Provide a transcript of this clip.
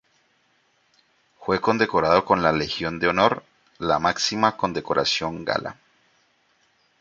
Fue condecorado con la Legión de Honor, la máxima condecoración gala.